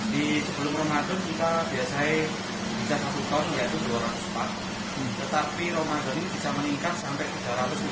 di rumah ini kalau kebutuhan es kristal ini seperti buat pasaran di sebelum